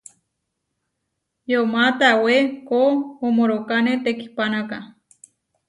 Yomá tawé koʼomórakane tekihpánaka.